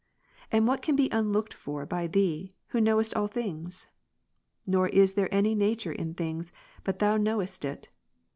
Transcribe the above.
And what can be unlooked for by Thee, who knowest all things ? Nor is there any nature in things, but Thou knowest it.